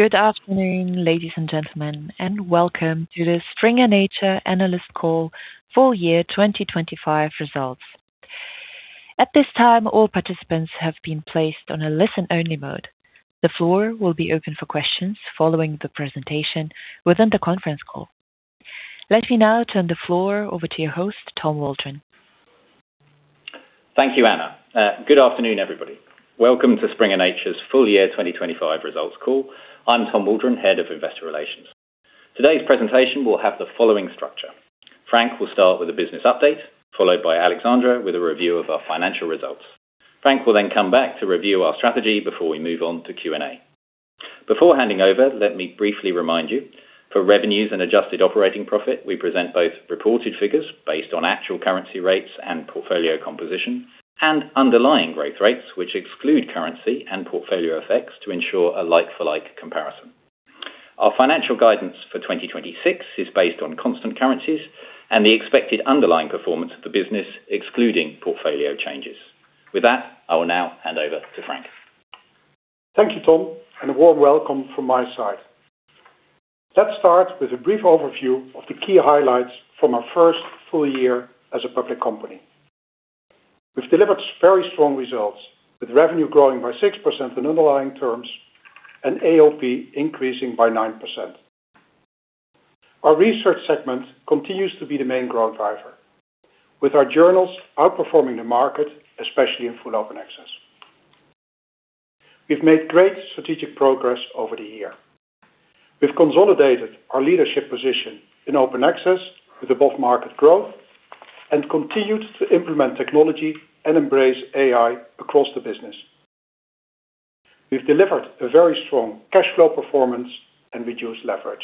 Good afternoon, ladies and gentlemen, and welcome to the Springer Nature analyst call full year 2025 results. At this time, all participants have been placed on a listen-only mode. The floor will be open for questions following the presentation within the conference call. Let me now turn the floor over to your host, Tom Waldron. Thank you, Anna. Good afternoon, everybody. Welcome to Springer Nature's full year 2025 results call. I'm Tom Waldron, head of investor relations. Today's presentation will have the following structure. Frank will start with a business update, followed by Alexandra with a review of our financial results. Frank will then come back to review our strategy before we move on to Q&A. Before handing over, let me briefly remind you, for revenues and adjusted operating profit, we present both reported figures based on actual currency rates and portfolio composition and underlying growth rates, which exclude currency and portfolio effects to ensure a like-for-like comparison. Our financial guidance for 2026 is based on constant currencies and the expected underlying performance of the business, excluding portfolio changes. With that, I will now hand over to Frank. Thank you, Tom, and a warm welcome from my side. Let's start with a brief overview of the key highlights from our first full year as a public company. We've delivered very strong results, with revenue growing by 6% in underlying terms and AOP increasing by 9%. Our research segment continues to be the main growth driver, with our journals outperforming the market, especially in full open access. We've made great strategic progress over the year. We've consolidated our leadership position in open access with above market growth and continued to implement technology and embrace AI across the business. We've delivered a very strong cash flow performance and reduced leverage.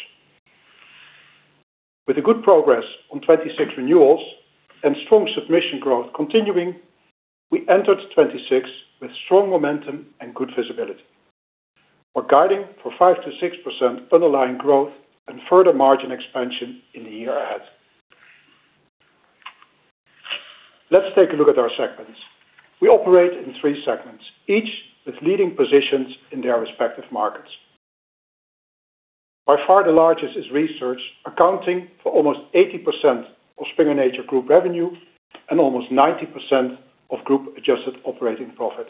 With the good progress on 26 renewals and strong submission growth continuing, we entered 2026 with strong momentum and good visibility. We're guiding for 5%-6% underlying growth and further margin expansion in the year ahead. Let's take a look at our segments. We operate in three segments, each with leading positions in their respective markets. By far, the largest is research, accounting for almost 80% of Springer Nature group revenue and almost 90% of group-adjusted operating profit.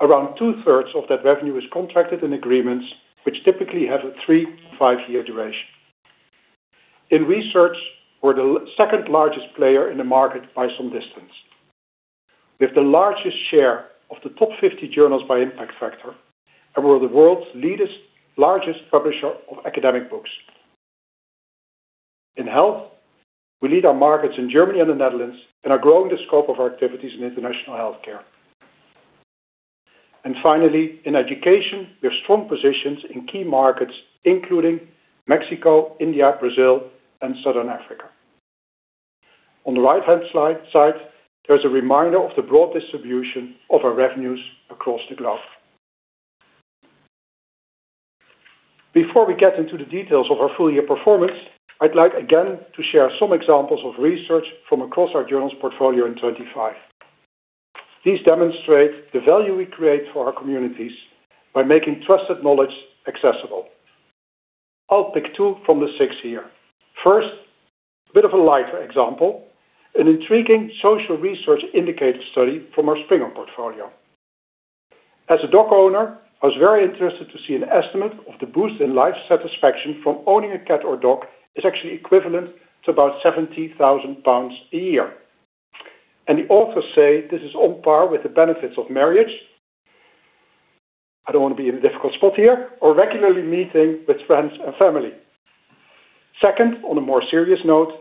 Around 2/3 of that revenue is contracted in agreements which typically have a three- to five-year duration. In research, we're the second-largest player in the market by some distance. We have the largest share of the top 50 journals by impact factor, and we're the world's largest publisher of academic books. In health, we lead our markets in Germany and the Netherlands and are growing the scope of our activities in international healthcare. Finally, in education, we have strong positions in key markets including Mexico, India, Brazil, and Southern Africa. On the right-hand slide, there's a reminder of the broad distribution of our revenues across the globe. Before we get into the details of our full year performance, I'd like again to share some examples of research from across our journals portfolio in 2025. These demonstrate the value we create for our communities by making trusted knowledge accessible. I'll pick two from the six here. First, bit of a lighter example, an intriguing social research indicator study from our Springer portfolio. As a dog owner, I was very interested to see an estimate of the boost in life satisfaction from owning a cat or dog is actually equivalent to about 70,000 pounds a year. The authors say this is on par with the benefits of marriage. I don't want to be in a difficult spot here. Or regularly meeting with friends and family. Second, on a more serious note,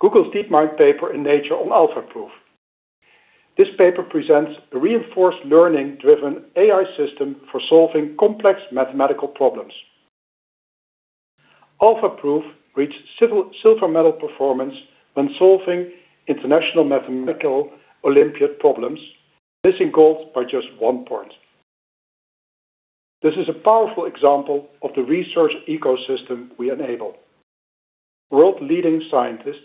Google DeepMind's paper in Nature on AlphaProof. This paper presents a reinforcement learning-driven AI system for solving complex mathematical problems. AlphaProof reached silver medal performance when solving International Mathematical Olympiad problems, missing gold by just one point. This is a powerful example of the research ecosystem we enable. World-leading scientists,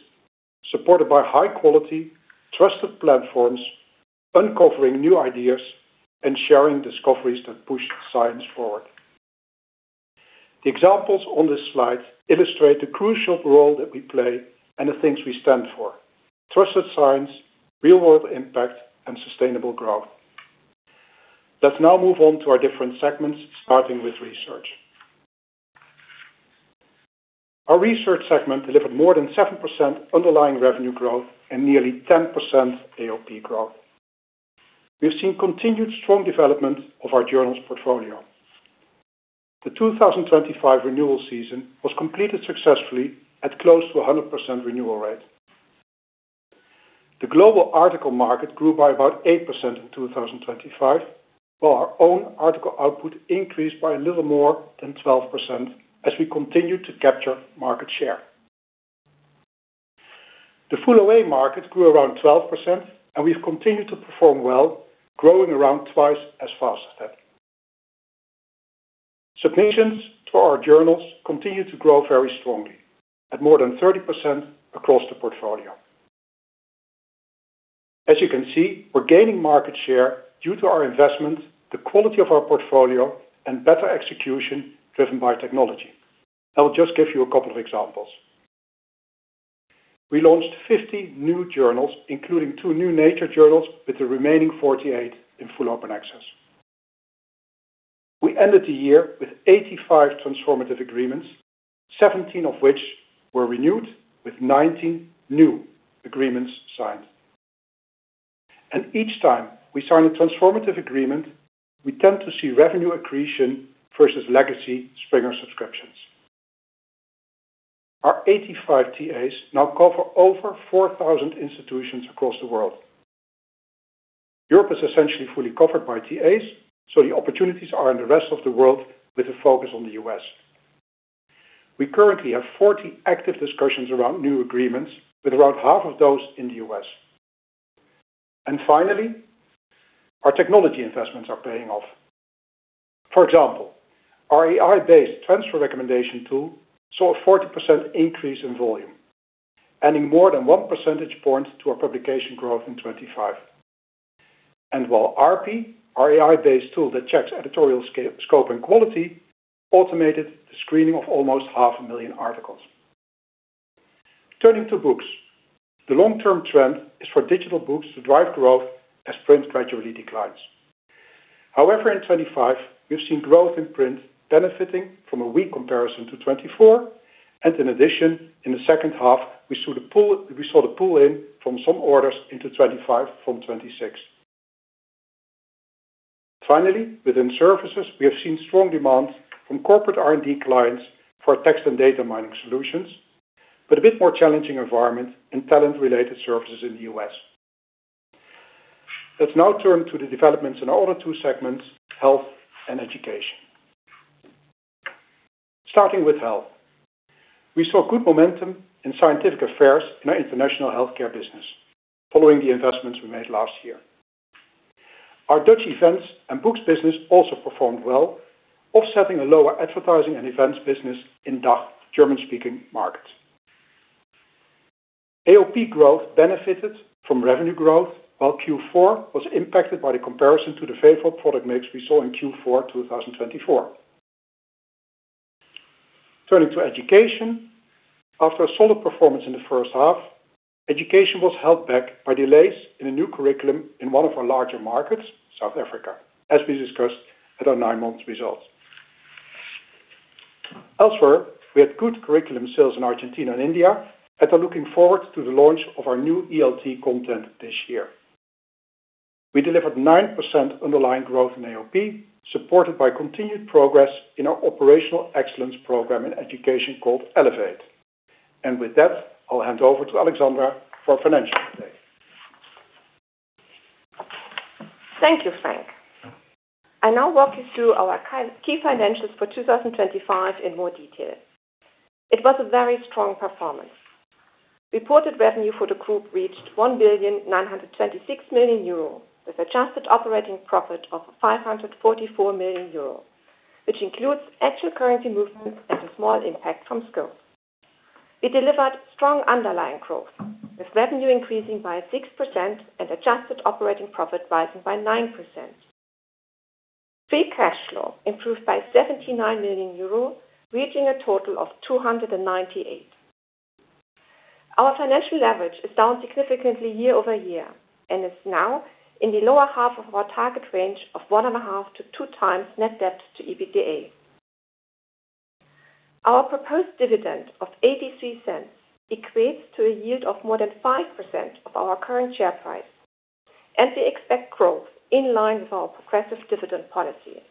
supported by high-quality, trusted platforms, uncovering new ideas and sharing discoveries that push science forward. The examples on this slide illustrate the crucial role that we play and the things we stand for. Trusted science, real-world impact, and sustainable growth. Let's now move on to our different segments, starting with research. Our research segment delivered more than 7% underlying revenue growth and nearly 10% AOP growth. We've seen continued strong development of our journals portfolio. The 2025 renewal season was completed successfully at close to a 100% renewal rate. The global article market grew by about 8% in 2025, while our own article output increased by a little more than 12% as we continued to capture market share. The full OA market grew around 12%, and we've continued to perform well, growing around twice as fast as that. Submissions to our journals continue to grow very strongly at more than 30% across the portfolio. As you can see, we're gaining market share due to our investment, the quality of our portfolio, and better execution driven by technology. I will just give you a couple of examples. We launched 50 new journals, including two new Nature journals, with the remaining 48 in full open access. We ended the year with 85 transformative agreements, 17 of which were renewed with 19 new agreements signed. Each time we sign a transformative agreement, we tend to see revenue accretion versus legacy Springer subscriptions. Our 85 TAs now cover over 4,000 institutions across the world. Europe is essentially fully covered by TAs, so the opportunities are in the rest of the world with a focus on the U.S. We currently have 40 active discussions around new agreements, with around half of those in the U.S. Finally, our technology investments are paying off. For example, our AI-based transfer recommendation tool saw a 40% increase in volume, adding more than 1 percentage point to our publication growth in 2025. While ARPI, our AI-based tool that checks editorial scope and quality, automated the screening of almost 500,000 articles. Turning to books, the long-term trend is for digital books to drive growth as print gradually declines. However, in 2025, we've seen growth in print benefiting from a weak comparison to 2024. In addition, in the second half, we saw the pull-in from some orders into 2025 from 2026. Finally, within services, we have seen strong demand from corporate R&D clients for text and data mining solutions, but a bit more challenging environment in talent-related services in the U.S. Let's now turn to the developments in our other two segments, health and education. Starting with health. We saw good momentum in scientific affairs in our international healthcare business following the investments we made last year. Our Dutch events and books business also performed well, offsetting a lower advertising and events business in DACH, German-speaking markets. AOP growth benefited from revenue growth, while Q4 was impacted by the comparison to the favorable product mix we saw in Q4 2024. Turning to education. After a solid performance in the first half, education was held back by delays in a new curriculum in one of our larger markets, South Africa, as we discussed at our nine-month results. Elsewhere, we had good curriculum sales in Argentina and India, and are looking forward to the launch of our new ELT content this year. We delivered 9% underlying growth in AOP, supported by continued progress in our operational excellence program in education called Elevate. With that, I'll hand over to Alexandra for financial update. Thank you, Frank. I now walk you through our key financials for 2025 in more detail. It was a very strong performance. Reported revenue for the group reached 1,926 million euro, with adjusted operating profit of 544 million euro, which includes actual currency movements and a small impact from scope. We delivered strong underlying growth, with revenue increasing by 6% and adjusted operating profit rising by 9%. Free cash flow improved by 79 million euro, reaching a total of 298 million. Our financial leverage is down significantly year-over-year and is now in the lower half of our target range of 1.5x-2x net debt to EBITDA. Our proposed dividend of 0.83 equates to a yield of more than 5% of our current share price, and we expect growth in line with our progressive dividend policy.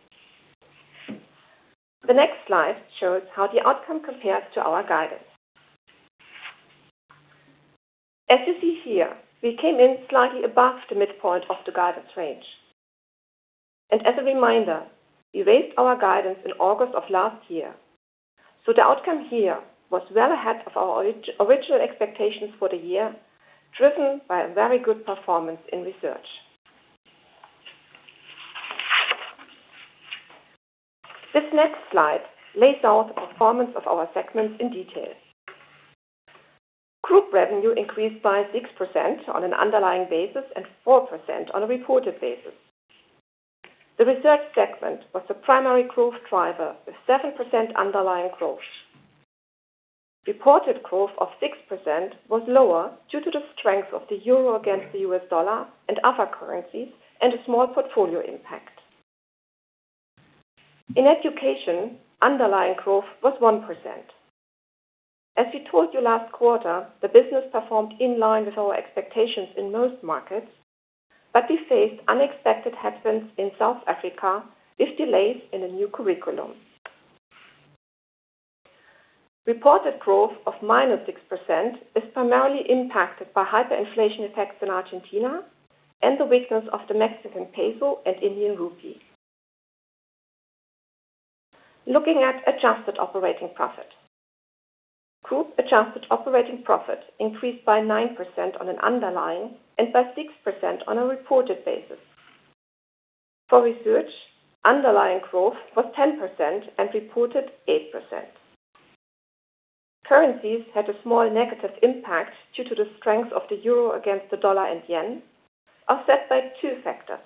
The next slide shows how the outcome compares to our guidance. As you see here, we came in slightly above the midpoint of the guidance range. As a reminder, we raised our guidance in August of last year. The outcome here was well ahead of our original expectations for the year, driven by a very good performance in research. This next slide lays out the performance of our segments in detail. Group revenue increased by 6% on an underlying basis and 4% on a reported basis. The research segment was the primary growth driver with 7% underlying growth. Reported growth of 6% was lower due to the strength of the euro against the US dollar and other currencies and a small portfolio impact. In education, underlying growth was 1%. As we told you last quarter, the business performed in line with our expectations in most markets, but we faced unexpected headwinds in South Africa with delays in a new curriculum. Reported growth of -6% is primarily impacted by hyperinflation effects in Argentina and the weakness of the Mexican peso and Indian rupee. Looking at adjusted operating profit. Group adjusted operating profit increased by 9% on an underlying and by 6% on a reported basis. For research, underlying growth was 10% and reported 8%. Currencies had a small negative impact due to the strength of the euro against the US dollar and yen, offset by two factors.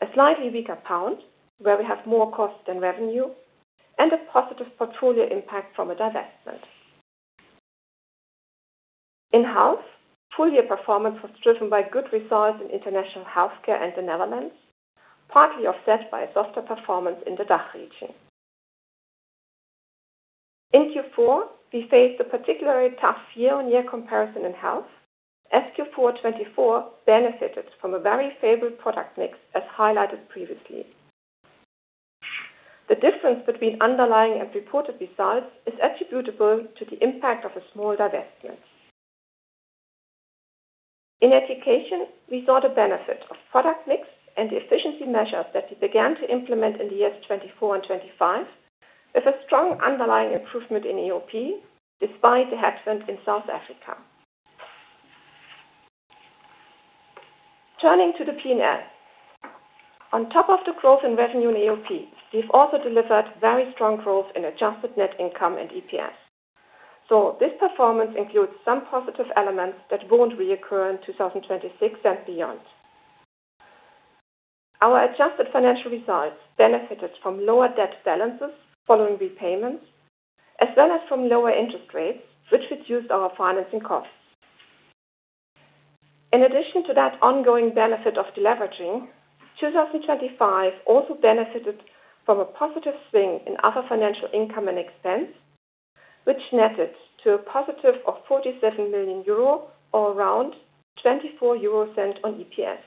A slightly weaker pound, where we have more cost than revenue, and a positive portfolio impact from a divestment. In health, full year performance was driven by good results in international healthcare and the Netherlands, partly offset by a softer performance in the DACH region. In Q4, we faced a particularly tough year-on-year comparison in health, as Q4 2024 benefited from a very favorable product mix, as highlighted previously. The difference between underlying and reported results is attributable to the impact of a small divestment. In education, we saw the benefit of product mix and the efficiency measures that we began to implement in the years 2024 and 2025, with a strong underlying improvement in AOP despite the headwind in South Africa. Turning to the P&L. On top of the growth in revenue in AOP, we've also delivered very strong growth in adjusted net income and EPS. This performance includes some positive elements that won't reoccur in 2026 and beyond. Our adjusted financial results benefited from lower debt balances following repayments, as well as from lower interest rates, which reduced our financing costs. In addition to that ongoing benefit of deleveraging, 2025 also benefited from a positive swing in other financial income and expense, which netted to a positive of 47 million euro or around 0.24 on EPS.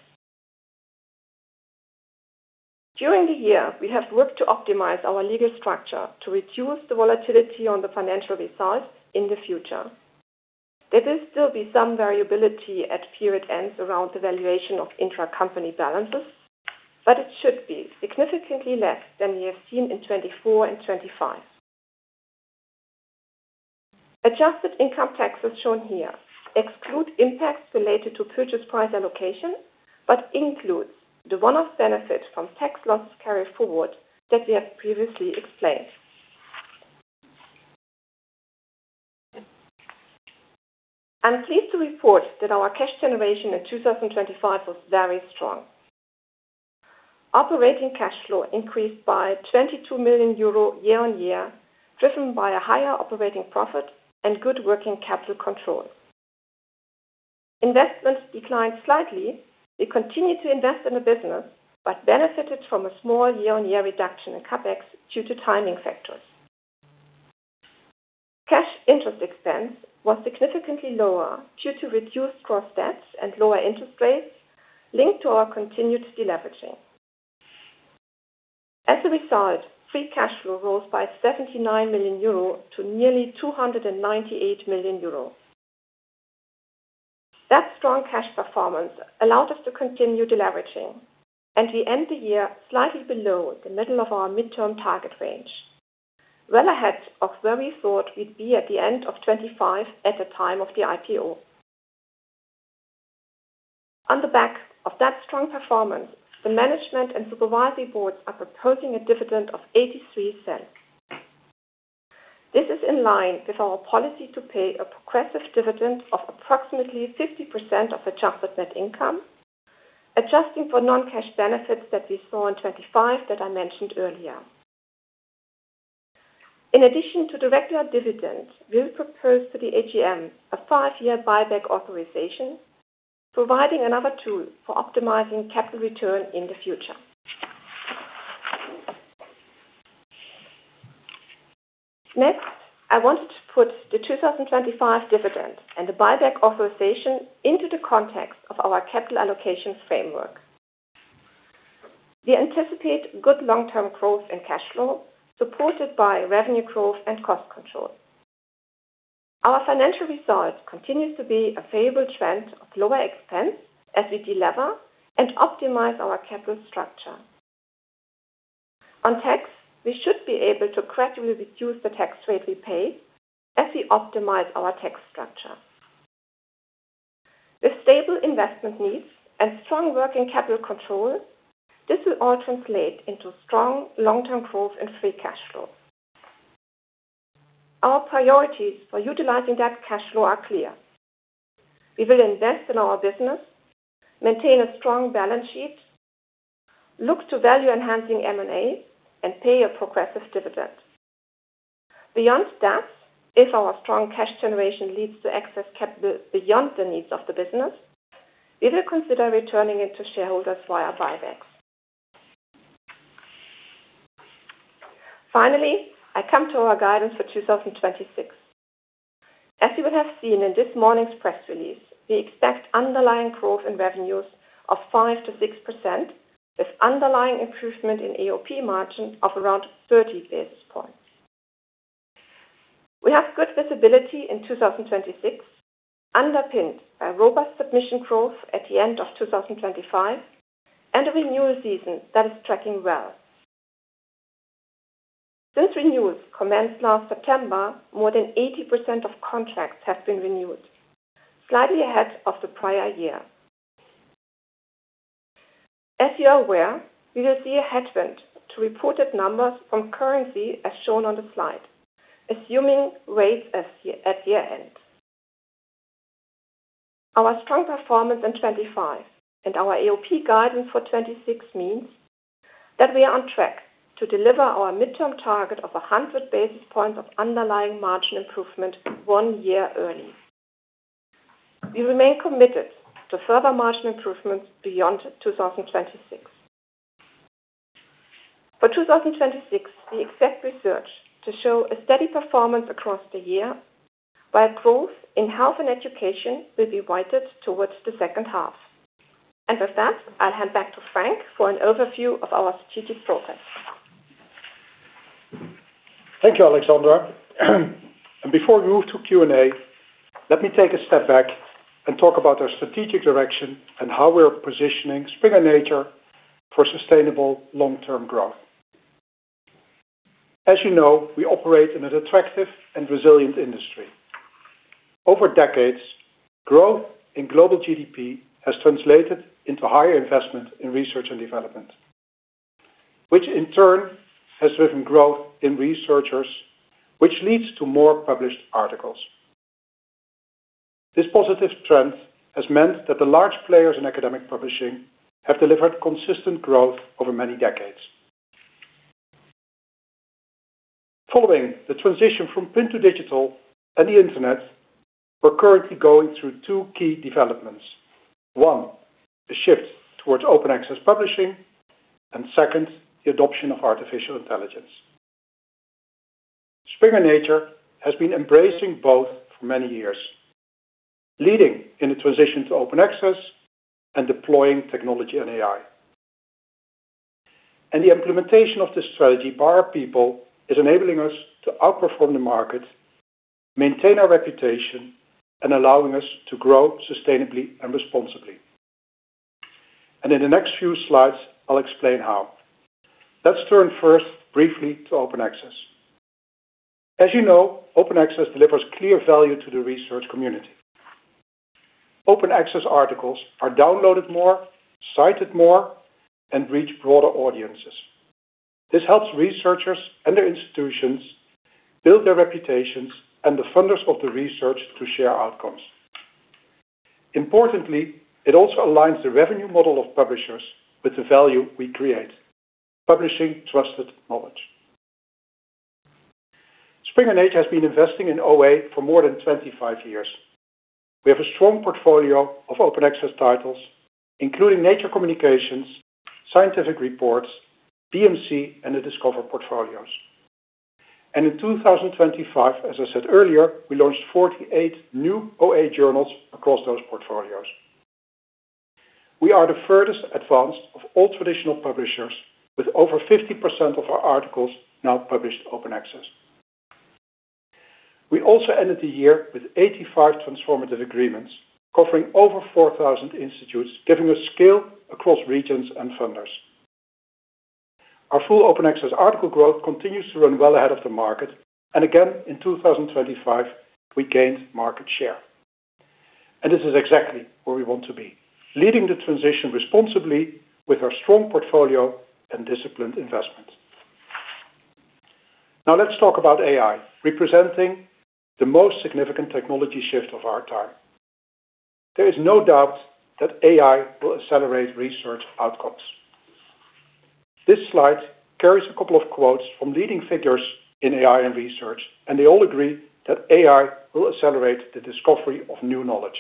During the year, we have worked to optimize our legal structure to reduce the volatility on the financial results in the future. There will still be some variability at period ends around the valuation of intracompany balances, but it should be significantly less than we have seen in 2024 and 2025. Adjusted income taxes shown here exclude impacts related to purchase price allocation, but includes the one-off benefit from tax losses carryforward that we have previously explained. I'm pleased to report that our cash generation in 2025 was very strong. Operating cash flow increased by 22 million euro year-on-year, driven by a higher operating profit and good working capital control. Investments declined slightly. We continued to invest in the business but benefited from a small year-on-year reduction in CapEx due to timing factors. Cash interest expense was significantly lower due to reduced gross debts and lower interest rates linked to our continued deleveraging. As a result, free cash flow rose by 79 million euro to nearly 298 million euro. That strong cash performance allowed us to continue deleveraging, and we end the year slightly below the middle of our midterm target range, well ahead of where we thought we'd be at the end of 2025 at the time of the IPO. On the back of that strong performance, the management and supervisory boards are proposing a dividend of 0.83. This is in line with our policy to pay a progressive dividend of approximately 50% of adjusted net income, adjusting for non-cash benefits that we saw in 2025 that I mentioned earlier. In addition to the regular dividends, we will propose to the AGM a five-year buyback authorization, providing another tool for optimizing capital return in the future. Next, I want to put the 2025 dividend and the buyback authorization into the context of our capital allocation framework. We anticipate good long-term growth in cash flow, supported by revenue growth and cost control. Our financial results continues to be a favorable trend of lower expense as we delever and optimize our capital structure. On tax, we should be able to gradually reduce the tax rate we pay as we optimize our tax structure. With stable investment needs and strong working capital control, this will all translate into strong long-term growth in free cash flow. Our priorities for utilizing that cash flow are clear. We will invest in our business, maintain a strong balance sheet, look to value enhancing M&A, and pay a progressive dividend. Beyond that, if our strong cash generation leads to excess capital beyond the needs of the business, we will consider returning it to shareholders via buybacks. Finally, I come to our guidance for 2026. As you will have seen in this morning's press release, we expect underlying growth in revenues of 5%-6%, with underlying improvement in AOP margin of around 30 basis points. We have good visibility in 2026, underpinned by robust submission growth at the end of 2025 and a renewal season that is tracking well. Since renewals commenced last September, more than 80% of contracts have been renewed, slightly ahead of the prior year. As you are aware, we will see a headwind to reported numbers from currency as shown on the slide, assuming rates as at year-end. Our strong performance in 2025 and our AOP guidance for 2026 means that we are on track to deliver our midterm target of 100 basis points of underlying margin improvement one year early. We remain committed to further margin improvements beyond 2026. For 2026, we expect research to show a steady performance across the year, while growth in health and education will be weighted towards the second half. With that, I'll hand back to Frank for an overview of our strategic progress. Thank you, Alexandra. Before we move to Q&A, let me take a step back and talk about our strategic direction and how we're positioning Springer Nature for sustainable long-term growth. As you know, we operate in an attractive and resilient industry. Over decades, growth in global GDP has translated into higher investment in research and development, which in turn has driven growth in researchers, which leads to more published articles. This positive trend has meant that the large players in academic publishing have delivered consistent growth over many decades. Following the transition from print to digital and the internet, we're currently going through two key developments. One, the shift towards open access publishing. Second, the adoption of artificial intelligence. Springer Nature has been embracing both for many years, leading in the transition to open access and deploying technology and AI. The implementation of this strategy by our people is enabling us to outperform the market, maintain our reputation, and allowing us to grow sustainably and responsibly. In the next few slides, I'll explain how. Let's turn first briefly to open access. As you know, open access delivers clear value to the research community. Open access articles are downloaded more, cited more, and reach broader audiences. This helps researchers and their institutions build their reputations and the funders of the research to share outcomes. Importantly, it also aligns the revenue model of publishers with the value we create, publishing trusted knowledge. Springer Nature has been investing in OA for more than 25 years. We have a strong portfolio of open access titles, including Nature Communications, Scientific Reports, BMC, and the Discover portfolios. In 2025, as I said earlier, we launched 48 new OA journals across those portfolios. We are the furthest advanced of all traditional publishers, with over 50% of our articles now published open access. We also ended the year with 85 transformative agreements covering over 4,000 institutes, giving us scale across regions and funders. Our full open access article growth continues to run well ahead of the market. Again, in 2025, we gained market share. This is exactly where we want to be, leading the transition responsibly with our strong portfolio and disciplined investment. Now let's talk about AI, representing the most significant technology shift of our time. There is no doubt that AI will accelerate research outcomes. This slide carries a couple of quotes from leading figures in AI and research, and they all agree that AI will accelerate the discovery of new knowledge.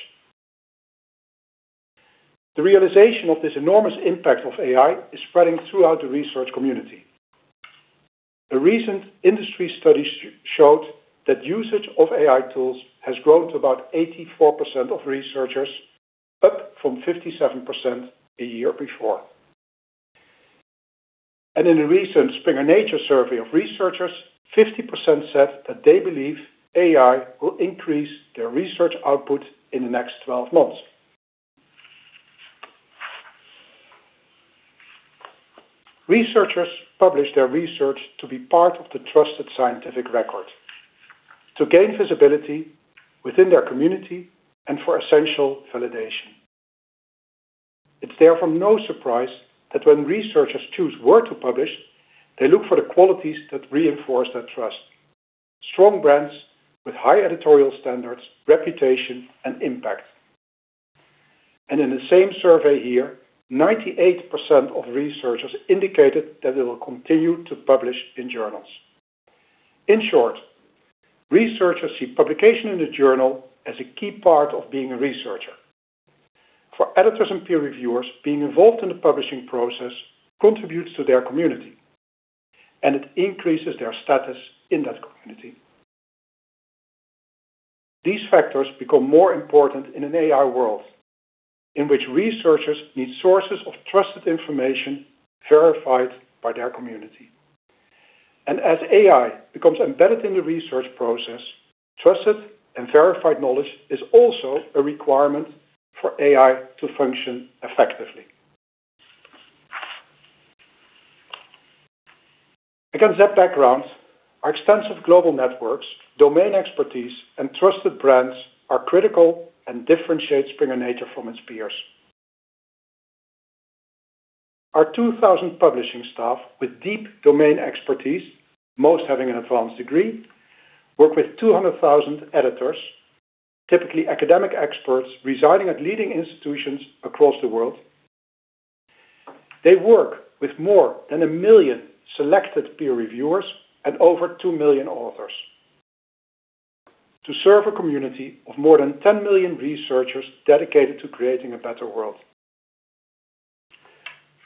The realization of this enormous impact of AI is spreading throughout the research community. A recent industry study showed that usage of AI tools has grown to about 84% of researchers, up from 57% a year before. In a recent Springer Nature survey of researchers, 50% said that they believe AI will increase their research output in the next 12 months. Researchers publish their research to be part of the trusted scientific record, to gain visibility within their community, and for essential validation. It's therefore no surprise that when researchers choose where to publish, they look for the qualities that reinforce that trust. Strong brands with high editorial standards, reputation, and impact. In the same survey here, 98% of researchers indicated that they will continue to publish in journals. In short, researchers see publication in the journal as a key part of being a researcher. For editors and peer reviewers, being involved in the publishing process contributes to their community, and it increases their status in that community. These factors become more important in an AI world in which researchers need sources of trusted information verified by their community. As AI becomes embedded in the research process, trusted and verified knowledge is also a requirement for AI to function effectively. Again, that background, our extensive global networks, domain expertise, and trusted brands are critical and differentiate Springer Nature from its peers. Our 2,000 publishing staff with deep domain expertise, most having an advanced degree, work with 200,000 editors, typically academic experts residing at leading institutions across the world. They work with more than 1 million selected peer reviewers and over 2 million authors to serve a community of more than 10 million researchers dedicated to creating a better world.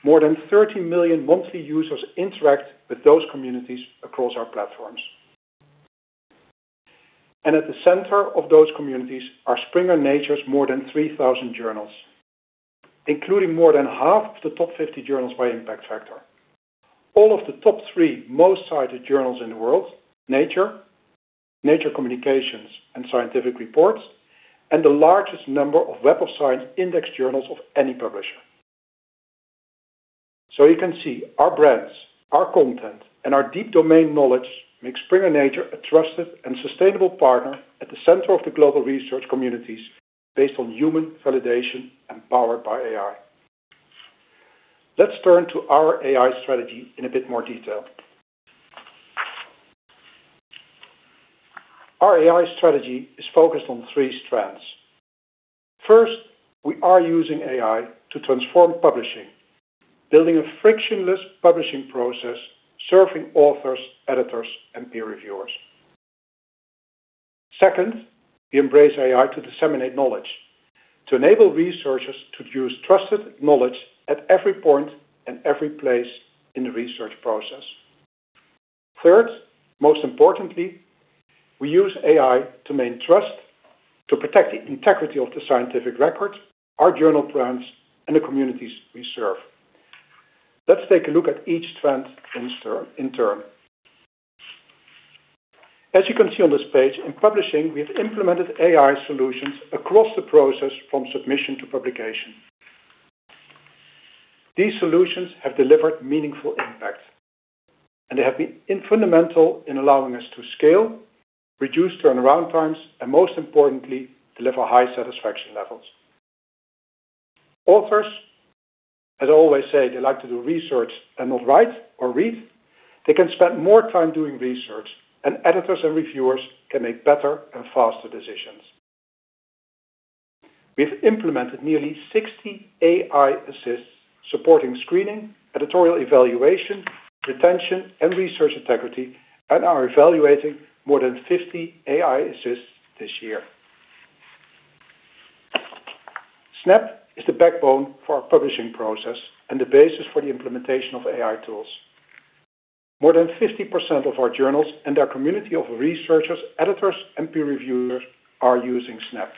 More than 30 million monthly users interact with those communities across our platforms. At the center of those communities are Springer Nature's more than 3,000 journals, including more than half of the top 50 journals by impact factor. All of the top three most cited journals in the world, Nature Communications, and Scientific Reports, and the largest number of Web of Science index journals of any publisher. You can see our brands, our content, and our deep domain knowledge makes Springer Nature a trusted and sustainable partner at the center of the global research communities based on human validation and powered by AI. Let's turn to our AI strategy in a bit more detail. Our AI strategy is focused on three strands. First, we are using AI to transform publishing, building a frictionless publishing process, serving authors, editors, and peer reviewers. Second, we embrace AI to disseminate knowledge, to enable researchers to use trusted knowledge at every point and every place in the research process. Third, most importantly, we use AI to maintain trust, to protect the integrity of the scientific records, our journal plans, and the communities we serve. Let's take a look at each strand in turn. As you can see on this page, in publishing, we have implemented AI solutions across the process from submission to publication. These solutions have delivered meaningful impact, and they have been fundamental in allowing us to scale, reduce turnaround times, and most importantly, deliver high satisfaction levels. Authors, as I always say, they like to do research and not write or read. They can spend more time doing research, and editors and reviewers can make better and faster decisions. We've implemented nearly 60 AI assists supporting screening, editorial evaluation, retention, and research integrity, and are evaluating more than 50 AI assists this year. Snapp is the backbone for our publishing process and the basis for the implementation of AI tools. More than 50% of our journals and our community of researchers, editors, and peer reviewers are using Snapp.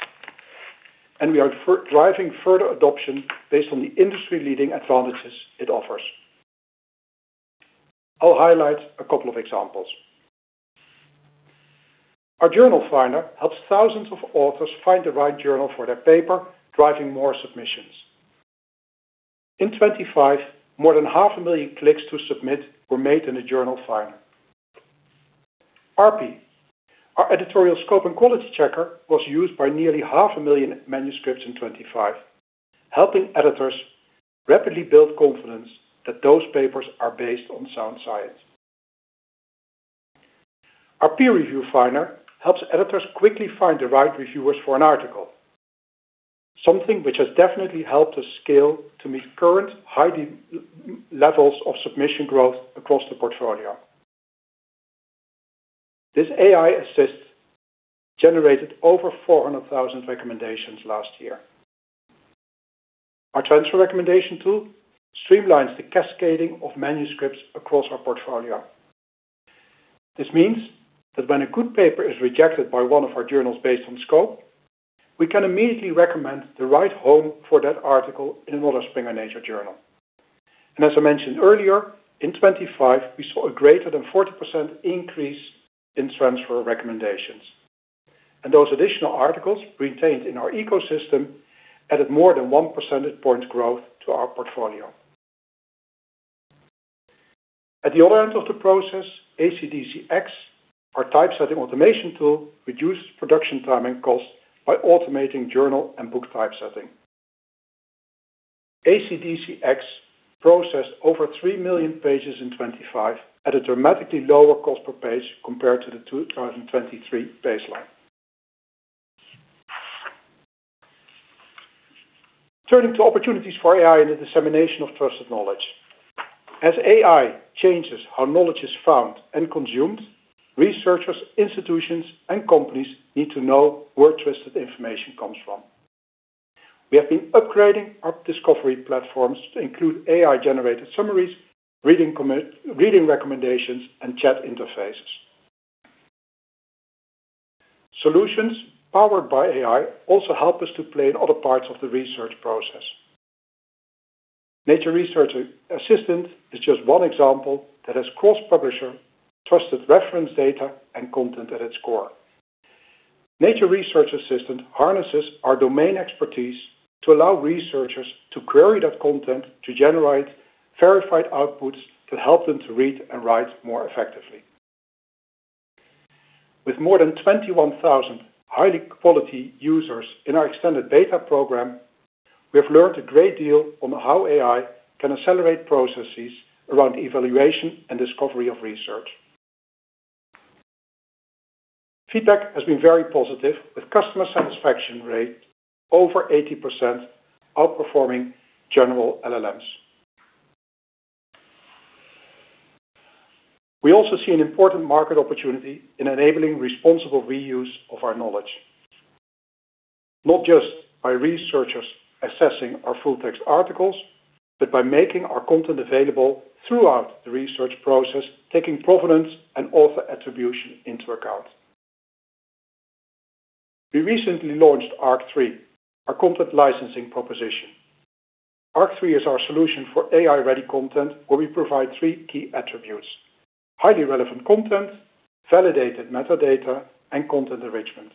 We are driving further adoption based on the industry-leading advantages it offers. I'll highlight a couple of examples. Our Journal Finder helps thousands of authors find the right journal for their paper, driving more submissions. In 2025, more than 500,000 clicks to submit were made in the Journal Finder. RP, our editorial scope and quality checker, was used by nearly 500,000 manuscripts in 2025, helping editors rapidly build confidence that those papers are based on sound science. Our Peer Reviewer Finder helps editors quickly find the right reviewers for an article, something which has definitely helped us scale to meet current high levels of submission growth across the portfolio. This AI assistant generated over 400,000 recommendations last year. Our transfer recommendation tool streamlines the cascading of manuscripts across our portfolio. This means that when a good paper is rejected by one of our journals based on scope, we can immediately recommend the right home for that article in another Springer Nature journal. As I mentioned earlier, in 2025, we saw a greater than 40% increase in transfer recommendations. Those additional articles retained in our ecosystem added more than one percentage point growth to our portfolio. At the other end of the process, ACDCX, our typesetting automation tool, reduced production time and cost by automating journal and book typesetting. ACDCX processed over 3 million pages in 2025 at a dramatically lower cost per page compared to the 2023 baseline. Turning to opportunities for AI in the dissemination of trusted knowledge. As AI changes how knowledge is found and consumed, researchers, institutions, and companies need to know where trusted information comes from. We have been upgrading our discovery platforms to include AI-generated summaries, reading recommendations, and chat interfaces. Solutions powered by AI also help us to play in other parts of the research process. Nature Research Assistant is just one example that has cross-publisher trusted reference data and content at its core. Nature Research Assistant harnesses our domain expertise to allow researchers to query that content to generate verified outputs to help them to read and write more effectively. With more than 21,000 high quality users in our extended beta program, we have learned a great deal on how AI can accelerate processes around evaluation and discovery of research. Feedback has been very positive, with customer satisfaction rate over 80% outperforming general LLMs. We also see an important market opportunity in enabling responsible reuse of our knowledge, not just by researchers assessing our full text articles, but by making our content available throughout the research process, taking provenance and author attribution into account. We recently launched ARC3, our content licensing proposition. ARC3 is our solution for AI-ready content, where we provide three key attributes, highly relevant content, validated metadata, and content enrichment.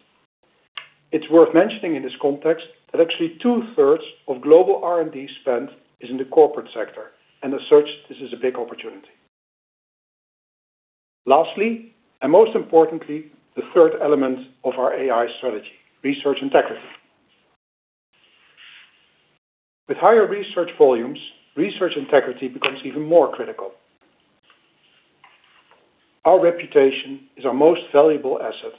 It's worth mentioning in this context that actually 2/3 of global R&D spend is in the corporate sector, and as such, this is a big opportunity. Lastly, and most importantly, the third element of our AI strategy, research integrity. With higher research volumes, research integrity becomes even more critical. Our reputation is our most valuable asset.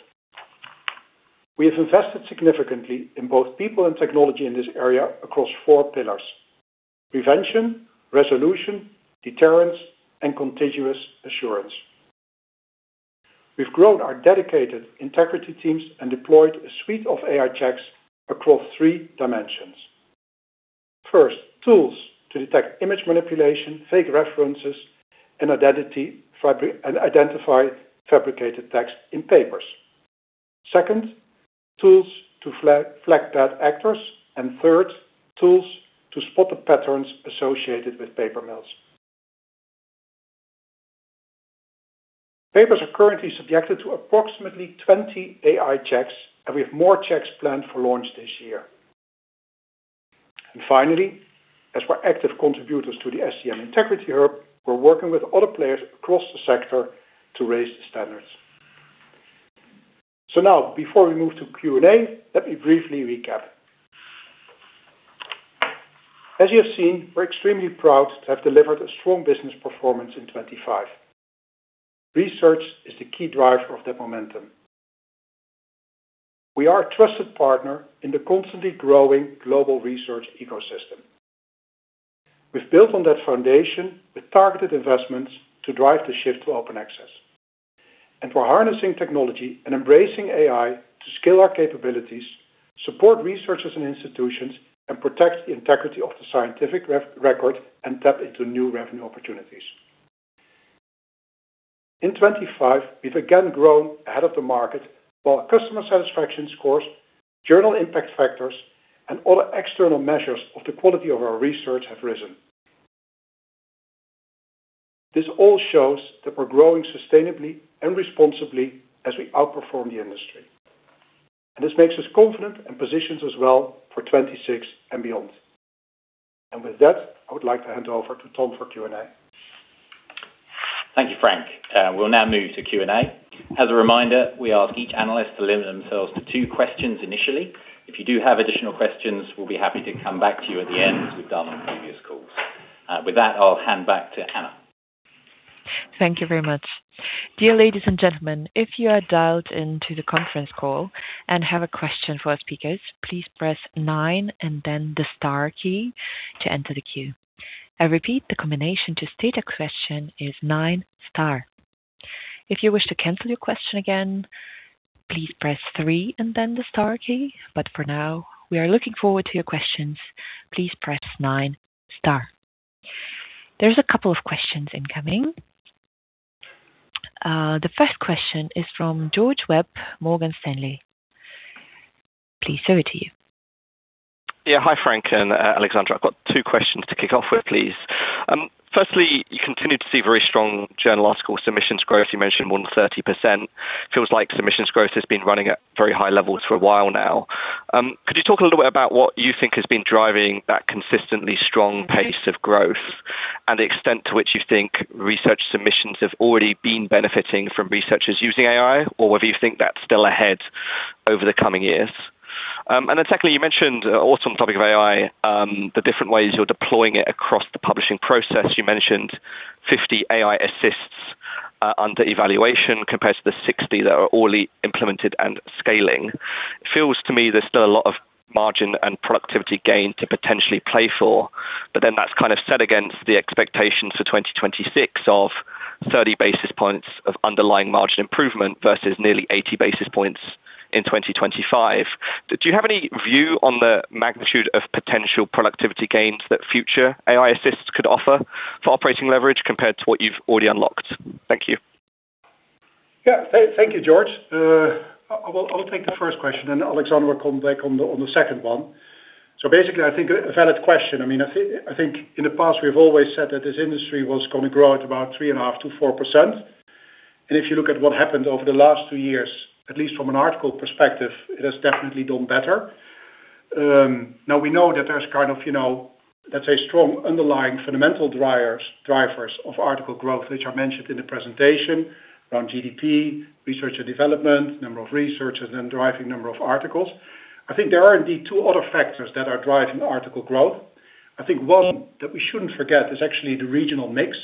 We have invested significantly in both people and technology in this area across four pillars, prevention, resolution, deterrence, and continuous assurance. We've grown our dedicated integrity teams and deployed a suite of AI checks across three dimensions. First, tools to detect image manipulation, fake references, and identify fabricated text in papers. Second, tools to flag bad actors, and third, tools to spot the patterns associated with paper mills. Papers are currently subjected to approximately 20 AI checks, and we have more checks planned for launch this year. Finally, as we're active contributors to the STM Integrity Hub, we're working with other players across the sector to raise the standards. Now, before we move to Q&A, let me briefly recap. As you have seen, we're extremely proud to have delivered a strong business performance in 2025. Research is the key driver of that momentum. We are a trusted partner in the constantly growing global research ecosystem. We've built on that foundation with targeted investments to drive the shift to open access. We're harnessing technology and embracing AI to scale our capabilities, support researchers and institutions, and protect the integrity of the scientific record and tap into new revenue opportunities. In 2025, we've again grown ahead of the market, while customer satisfaction scores, journal impact factors, and other external measures of the quality of our research have risen. This all shows that we're growing sustainably and responsibly as we outperform the industry. This makes us confident and positions us well for 2026 and beyond. With that, I would like to hand over to Tom for Q&A. Thank you, Frank. We'll now move to Q&A. As a reminder, we ask each analyst to limit themselves to two questions initially. If you do have additional questions, we'll be happy to come back to you at the end, as we've done on previous calls. With that, I'll hand back to Anna. Thank you very much. Dear ladies and gentlemen, if you are dialed into the conference call and have a question for our speakers, please press nine and then the star key to enter the queue. I repeat, the combination to state a question is nine, star. If you wish to cancel your question again, please press three and then the star key. For now, we are looking forward to your questions. Please press nine, star. There's a couple of questions incoming. The first question is from George Webb, Morgan Stanley. Over to you. Yeah. Hi, Frank and Alexandra. I've got two questions to kick off with, please. Firstly, you continue to see very strong journal article submissions growth. You mentioned more than 30%. Feels like submissions growth has been running at very high levels for a while now. Could you talk a little bit about what you think has been driving that consistently strong pace of growth and the extent to which you think research submissions have already been benefiting from researchers using AI, or whether you think that's still ahead over the coming years? And then secondly, you mentioned also on the topic of AI, the different ways you're deploying it across the publishing process. You mentioned 50 AI assists under evaluation compared to the 60 that are already implemented and scaling. It feels to me there's still a lot of margin and productivity gain to potentially play for, but then that's kind of set against the expectations for 2026 of 30 basis points of underlying margin improvement versus nearly 80 basis points in 2025. Do you have any view on the magnitude of potential productivity gains that future AI assists could offer for operating leverage compared to what you've already unlocked? Thank you. Yeah. Thank you, George. I will take the first question, and Alexandra will come back on the second one. Basically, I think a valid question. I mean, I think in the past, we've always said that this industry was gonna grow at about 3.5%-4%. If you look at what happened over the last two years, at least from an article perspective, it has definitely done better. Now we know that there's kind of, you know, let's say strong underlying fundamental drivers of article growth, which are mentioned in the presentation around GDP, research and development, number of researchers, and driving number of articles. I think there are indeed two other factors that are driving article growth. I think one that we shouldn't forget is actually the regional mix.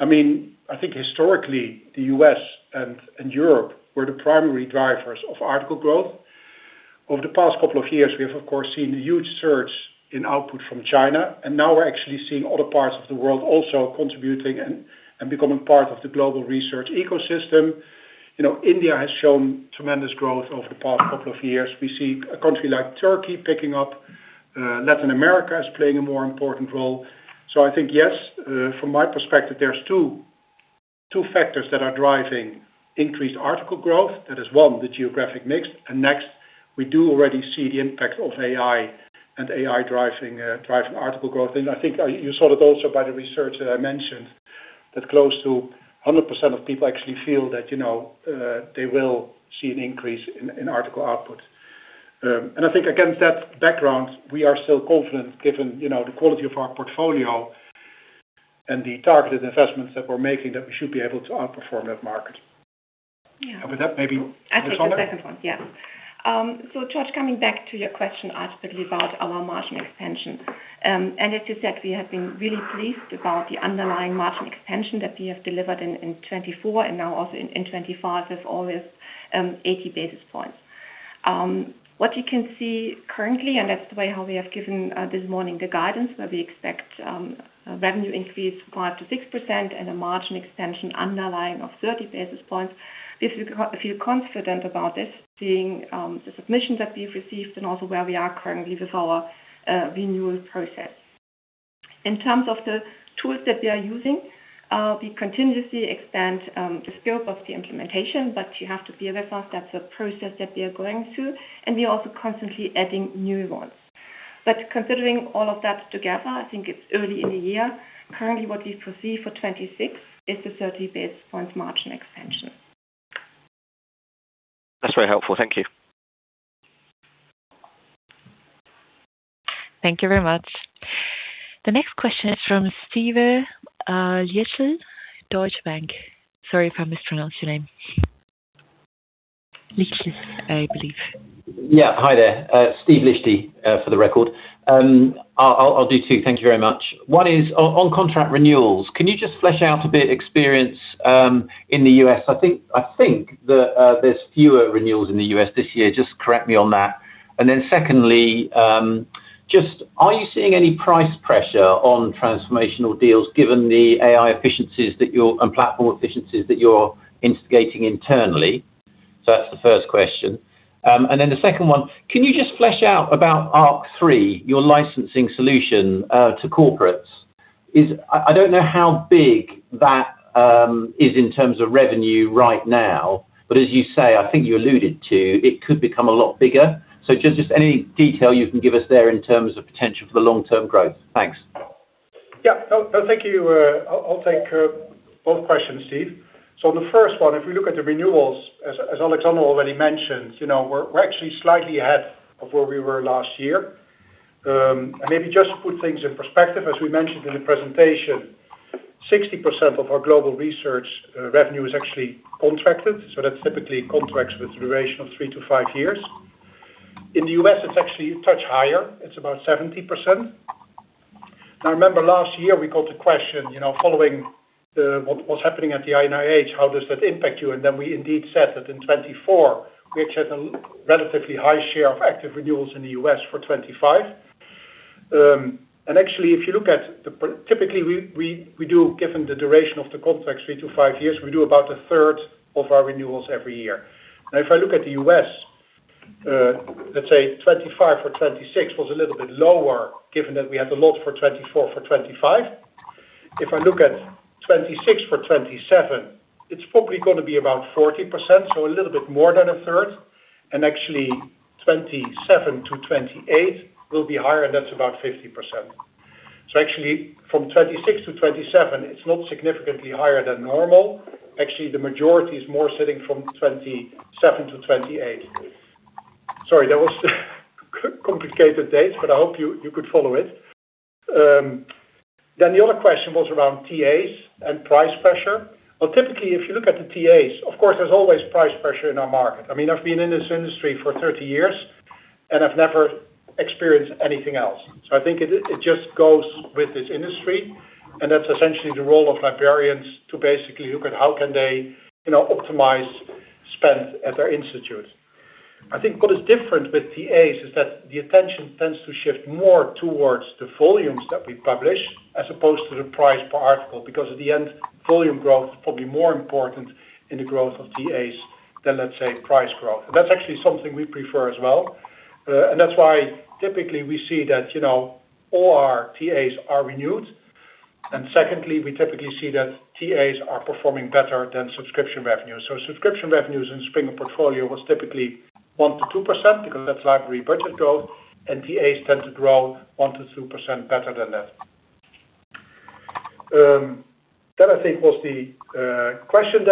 I mean, I think historically, the U.S. and Europe were the primary drivers of article growth. Over the past couple of years, we have, of course, seen a huge surge in output from China, and now we're actually seeing other parts of the world also contributing and becoming part of the global research ecosystem. You know, India has shown tremendous growth over the past couple of years. We see a country like Turkey picking up. Latin America is playing a more important role. I think, yes, from my perspective, there's two factors that are driving increased article growth. That is one, the geographic mix, and next, we do already see the impact of AI and AI driving article growth. I think you saw that also by the research that I mentioned, that close to 100% of people actually feel that, you know, they will see an increase in article output. I think against that background, we are still confident given, you know, the quality of our portfolio and the targeted investments that we're making, that we should be able to outperform that market. Yeah. With that, maybe Alexandra? I think the second one. George, coming back to your question asked earlier about our margin expansion. As you said, we have been really pleased about the underlying margin expansion that we have delivered in 2024 and now also in 2025 with all this 80 basis points. What you can see currently, and that's the way how we have given this morning the guidance, where we expect a revenue increase 5%-6% and a margin expansion underlying of 30 basis points. We feel confident about this, seeing the submissions that we've received and also where we are currently with our renewal process. In terms of the tools that we are using, we continuously expand the scope of the implementation, but you have to be aware first that's a process that we are going through, and we are also constantly adding new ones. Considering all of that together, I think it's early in the year. Currently, what we foresee for 2026 is a 30 basis points margin expansion. That's very helpful. Thank you. Thank you very much. The next question is from Steve Liechti, Deutsche Bank. Sorry if I mispronounced your name. Liechti, I believe. Yeah. Hi there. Steve Liechti, for the record. I'll do two. Thank you very much. One is on contract renewals. Can you just flesh out a bit experience in the U.S.? I think that there's fewer renewals in the U.S. this year. Just correct me on that. Then secondly, just are you seeing any price pressure on transformative deals given the AI efficiencies that you're and platform efficiencies that you're instigating internally? That's the first question. Then the second one, can you just flesh out about ARC3, your licensing solution to corporates? I don't know how big that is in terms of revenue right now, but as you say, I think you alluded to, it could become a lot bigger. Just any detail you can give us there in terms of potential for the long-term growth. Thanks. Thank you. I'll take both questions, Steve. On the first one, if we look at the renewals, as Alexandra already mentioned, you know, we're actually slightly ahead of where we were last year. Maybe just to put things in perspective, as we mentioned in the presentation, 60% of our global research revenue is actually contracted, so that's typically contracts with a duration of three to five years. In the U.S., it's actually a touch higher. It's about 70%. Now remember last year we got a question, you know, following what's happening at the NIH, how does that impact you? We indeed said that in 2024, we actually had a relatively high share of active renewals in the U.S. for 2025. Actually, if you look at. Typically, we do, given the duration of the contracts, three to five years, we do about 1/3 of our renewals every year. Now, if I look at the U.S., let's say 2025 or 2026 was a little bit lower, given that we had a lot for 2024, for 2025. If I look at 2026 for 2027, it's probably gonna be about 40%, so a little bit more than 1/3. Actually, 2027 to 2028 will be higher, and that's about 50%. Actually, from 2026 to 2027, it's not significantly higher than normal. Actually, the majority is more sitting from 2027 to 2028. Sorry, that was complicated dates, but I hope you could follow it. Then the other question was around TAs and price pressure. Well, typically, if you look at the TAs, of course, there's always price pressure in our market. I mean, I've been in this industry for 30 years, and I've never experienced anything else. I think it just goes with this industry, and that's essentially the role of librarians to basically look at how can they, you know, optimize spend at their institute. I think what is different with TAs is that the attention tends to shift more towards the volumes that we publish as opposed to the price per article. Because at the end, volume growth is probably more important in the growth of TAs than, let's say, price growth. That's actually something we prefer as well. That's why typically we see that, you know, all our TAs are renewed. Secondly, we typically see that TAs are performing better than subscription revenue. Subscription revenues in Springer portfolio was typically 1%-2%, because that's library budget growth, and TAs tend to grow 1%-2% better than that. That I think was the question.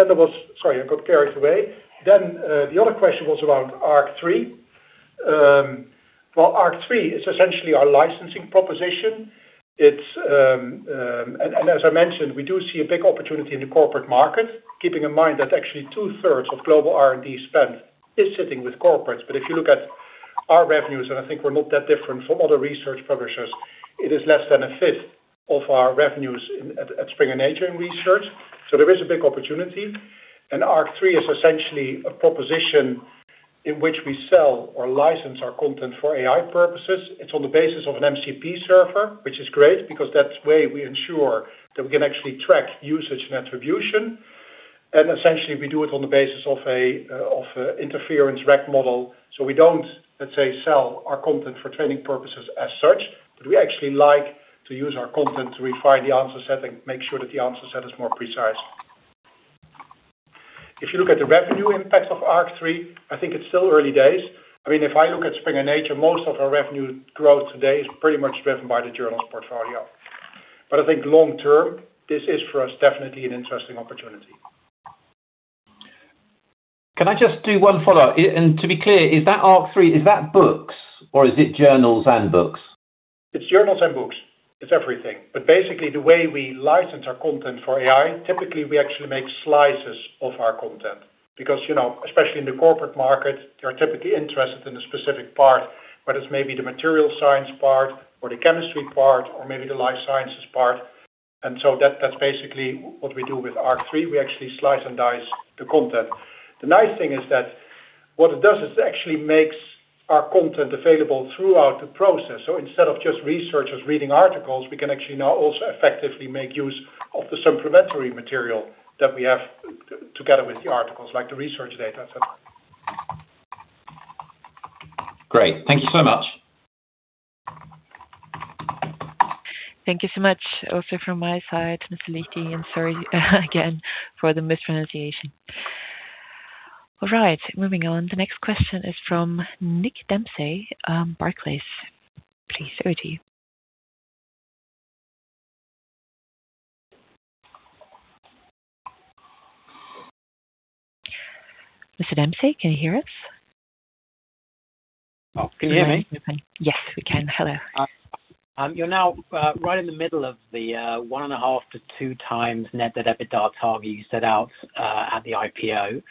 Sorry, I got carried away. The other question was around ARC3. Well, ARC3 is essentially our licensing proposition. It's. And as I mentioned, we do see a big opportunity in the corporate market, keeping in mind that actually 2/3 of global R&D spend is sitting with corporates. If you look at our revenues, and I think we're not that different from other research publishers, it is less than a fifth of our revenues at Springer Nature in research. There is a big opportunity. ARC3 is essentially a proposition in which we sell or license our content for AI purposes. It's on the basis of an MCP server, which is great because that way we ensure that we can actually track usage and attribution. Essentially, we do it on the basis of an inference-RAG model. We don't, let's say, sell our content for training purposes as such, but we actually like to use our content to refine the answer set and make sure that the answer set is more precise. If you look at the revenue impact of ARC3, I think it's still early days. I mean, if I look at Springer Nature, most of our revenue growth today is pretty much driven by the journals portfolio. I think long term, this is, for us, definitely an interesting opportunity. Can I just do one follow-up? To be clear, is that ARC3, is that books or is it journals and books? It's journals and books. It's everything. Basically, the way we license our content for AI, typically, we actually make slices of our content because, you know, especially in the corporate market, they're typically interested in a specific part, whether it's maybe the material science part or the chemistry part or maybe the life sciences part. That's basically what we do with ARC3. We actually slice and dice the content. The nice thing is that what it does is it actually makes our content available throughout the process. Instead of just researchers reading articles, we can actually now also effectively make use of the supplementary material that we have together with the articles, like the research data. Great. Thank you so much. Thank you so much also from my side, Mr. Liechti, and sorry again for the mispronunciation. All right, moving on. The next question is from Nick Dempsey, Barclays. Please, over to you. Mr. Dempsey, can you hear us? Oh, can you hear me? Yes, we can. Hello. You're now right in the middle of the 1.5x-2x net debt to EBITDA target you set out at the IPO.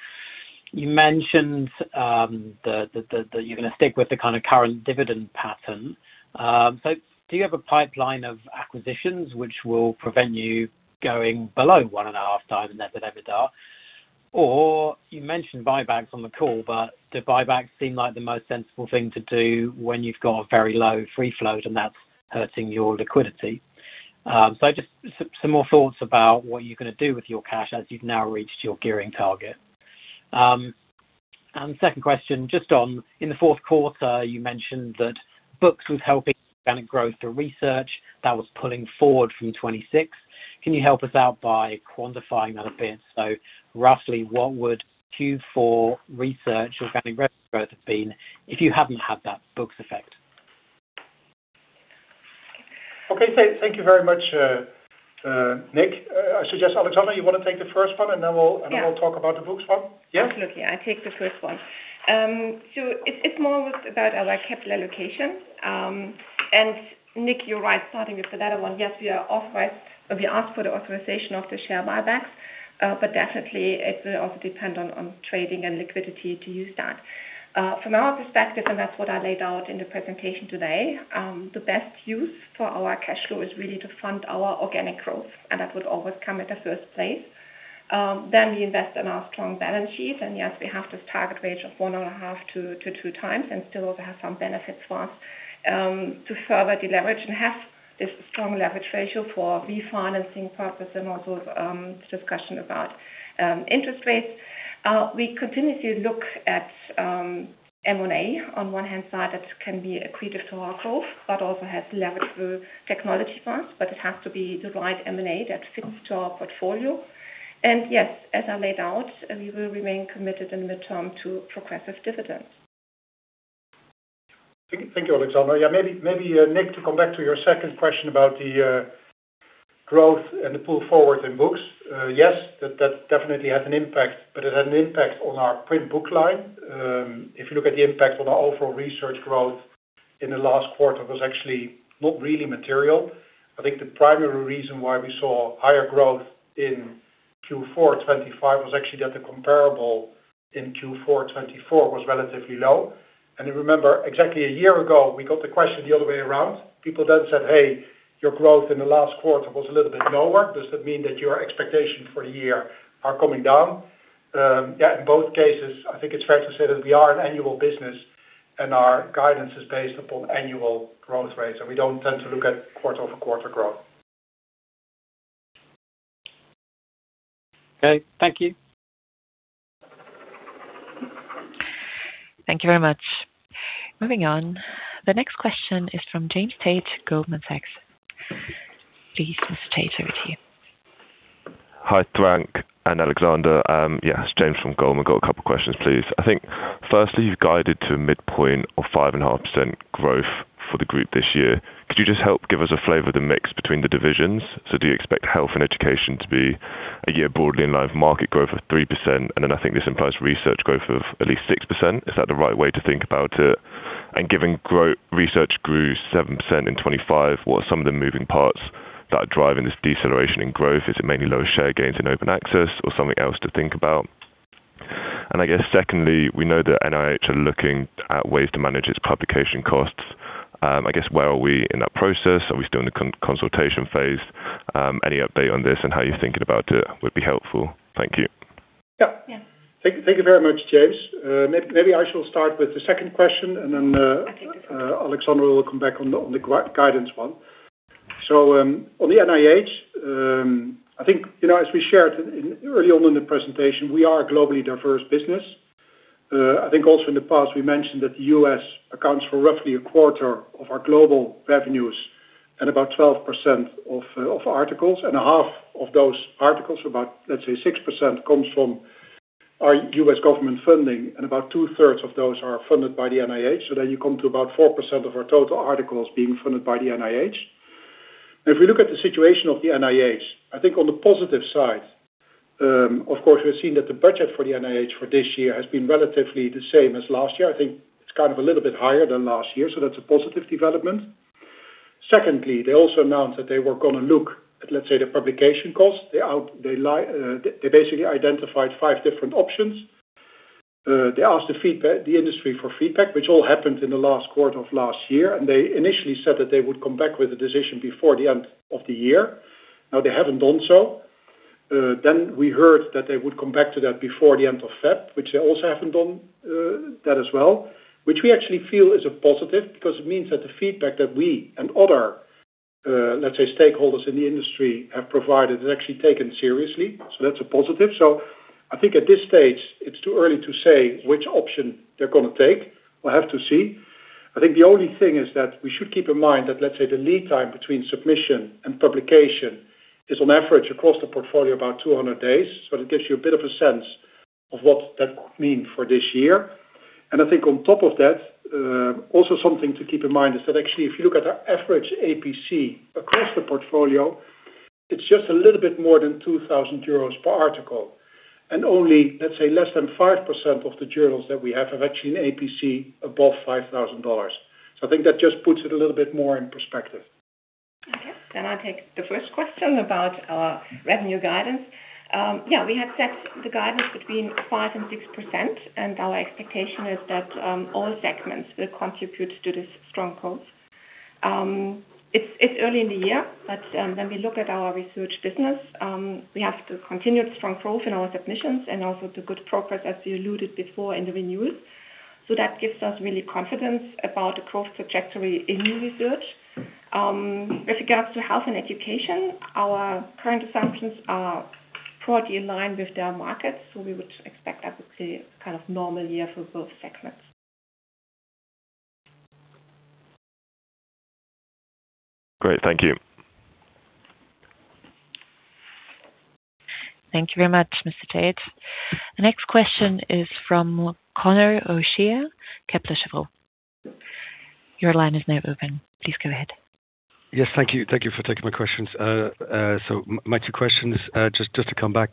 You mentioned you're gonna stick with the kinda current dividend pattern. Do you have a pipeline of acquisitions which will prevent you going below 1.5x net debt to EBITDA? Or you mentioned buybacks on the call, but do buybacks seem like the most sensible thing to do when you've got a very low free float and that's hurting your liquidity? Just some more thoughts about what you're gonna do with your cash as you've now reached your gearing target. Second question, just on, in the fourth quarter, you mentioned that books was helping organic growth to research that was pulling forward from 2026. Can you help us out by quantifying that a bit? Roughly, what would Q4 research organic re-growth have been if you haven't had that books effect? Okay. Thank you very much, Nick. I suggest, Alexandra, you wanna take the first one, and then we'll. Yeah. We'll talk about the books one. Yeah? Absolutely. I'll take the first one. It's more about our capital allocation. Nick, you're right. Starting with the latter one, yes, we are authorized, or we asked for the authorization of the share buybacks. Definitely it will also depend on trading and liquidity to use that. From our perspective, and that's what I laid out in the presentation today, the best use for our cash flow is really to fund our organic growth, and that would always come at the first place. We invest in our strong balance sheet. Yes, we have this target range of 1.5x-2x, and still have some benefits for us, to further deleverage and have this strong leverage ratio for refinancing purpose and also discussion about interest rates. We continuously look at M&A. On one hand side, that can be accretive to our growth, but also has leverage through technology parts, but it has to be the right M&A that fits to our portfolio. Yes, as I laid out, we will remain committed in the term to progressive dividends. Thank you, Alexandra. Yeah, maybe Nick, to come back to your second question about the growth and the pull forward in books. Yes, that definitely has an impact, but it had an impact on our print book line. If you look at the impact on the overall research growth in the last quarter, it was actually not really material. I think the primary reason why we saw higher growth in Q4 2025 was actually that the comparable in Q4 2024 was relatively low. Remember, exactly a year ago, we got the question the other way around. People then said, "Hey, your growth in the last quarter was a little bit lower. Does that mean that your expectation for the year are coming down? Yeah, in both cases, I think it's fair to say that we are an annual business and our guidance is based upon annual growth rates, and we don't tend to look at quarter-over-quarter growth. Okay. Thank you. Thank you very much. Moving on. The next question is from James Tate, Goldman Sachs. Please, Mr. Tate, over to you. Hi, Frank and Alexandra. Yes, James from Goldman Sachs. Got a couple questions, please. I think, firstly, you've guided to a midpoint of 5.5% growth for the group this year. Could you just help give us a flavor of the mix between the divisions? Do you expect health and education to be year-over-year broadly in line with market growth of 3%, and then I think this implies research growth of at least 6%. Is that the right way to think about it? Given research grew 7% in 2025, what are some of the moving parts that are driving this deceleration in growth? Is it mainly low share gains in open access or something else to think about? I guess secondly, we know that NIH are looking at ways to manage its publication costs. I guess, where are we in that process? Are we still in the consultation phase? Any update on this and how you're thinking about it would be helpful. Thank you. Yeah. Yeah. Thank you very much, James. Maybe I shall start with the second question, and then, Okay. No problem. Alexandra will come back on the guidance one. On the NIH, I think, you know, as we shared early on in the presentation, we are a globally diverse business. I think also in the past, we mentioned that the U.S. accounts for roughly a quarter of our global revenues and about 12% of articles, and half of those articles, about, let's say, 6%, comes from our U.S. government funding, and about 2/3 of those are funded by the NIH, so then you come to about 4% of our total articles being funded by the NIH. If you look at the situation of the NIH, I think on the positive side, of course, we've seen that the budget for the NIH for this year has been relatively the same as last year. I think it's kind of a little bit higher than last year, so that's a positive development. Secondly, they also announced that they were gonna look at, let's say, the publication cost. They basically identified five different options. They asked the industry for feedback, which all happened in the last quarter of last year, and they initially said that they would come back with a decision before the end of the year. Now, they haven't done so. Then we heard that they would come back to that before the end of February, which they also haven't done, that as well, which we actually feel is a positive 'cause it means that the feedback that we and other, let's say, stakeholders in the industry have provided is actually taken seriously. So that's a positive. I think at this stage, it's too early to say which option they're gonna take. We'll have to see. I think the only thing is that we should keep in mind that, let's say, the lead time between submission and publication is on average across the portfolio about 200 days. It gives you a bit of a sense of what that could mean for this year. I think on top of that, also something to keep in mind is that actually if you look at our average APC across the portfolio, it's just a little bit more than 2,000 euros per article. Only, let's say, less than 5% of the journals that we have have actually an APC above $5,000. I think that just puts it a little bit more in perspective. Okay. I'll take the first question about our revenue guidance. Yeah, we had set the guidance between 5% and 6%, and our expectation is that all segments will contribute to this strong growth. It's early in the year, but when we look at our research business, we have the continued strong growth in our submissions and also the good progress, as you alluded before, in the renewals. That gives us really confidence about the growth trajectory in research. With regards to health and education, our current assumptions are broadly in line with their markets, so we would expect, I would say, a kind of normal year for both segments. Great. Thank you. Thank you very much, Mr. Tate. The next question is from Conor O'Shea, Kepler Cheuvreux. Your line is now open. Please go ahead. Yes. Thank you. Thank you for taking my questions. So my two questions, just to come back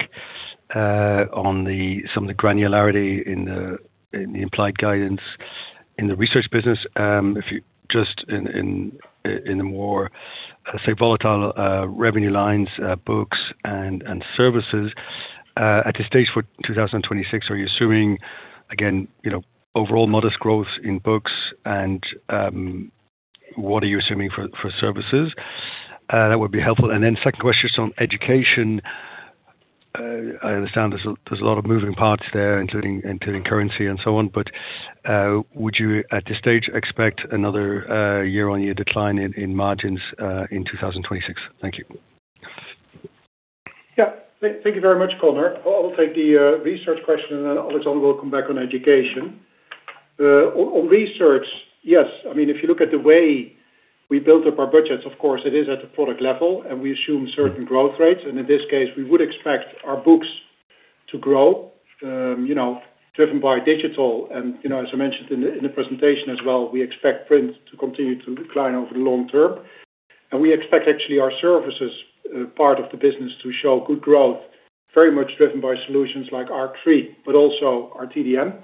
on some of the granularity in the implied guidance in the research business. If you just in the more, say, volatile revenue lines, books and services, at this stage for 2026, are you assuming again, you know, overall modest growth in books and what are you assuming for services? That would be helpful. Second question is on education. I understand there's a lot of moving parts there, including currency and so on, but would you at this stage expect another year-on-year decline in margins in 2026? Thank you. Yeah. Thank you very much, Conor. I'll take the research question, and then Alexandra will come back on education. On research, yes. I mean, if you look at the way we built up our budgets, of course, it is at the product level, and we assume certain growth rates. In this case, we would expect our books to grow, you know, driven by digital. You know, as I mentioned in the presentation as well, we expect print to continue to decline over the long term. We expect actually our services part of the business to show good growth, very much driven by solutions like ARC3, but also our TDM.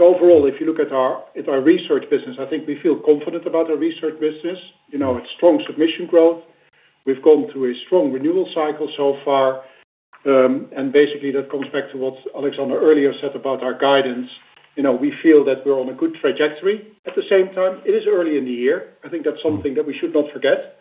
Overall, if you look at our research business, I think we feel confident about our research business. You know, it's strong submission growth. We've gone through a strong renewal cycle so far. Basically that comes back to what Alexandra earlier said about our guidance. You know, we feel that we're on a good trajectory. At the same time, it is early in the year. I think that's something that we should not forget.